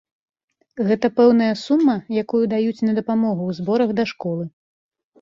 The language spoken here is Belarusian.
Гэта пэўная сума, якую даюць на дапамогу ў зборах да школы.